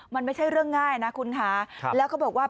มันไม่ใช่เรื่องง่ายนะคุณคะแล้วเขาบอกว่า